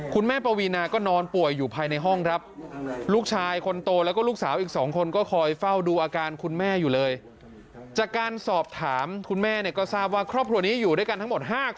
คุณแม่ปวีนาก็นอนป่วยอยู่ภายในห้อง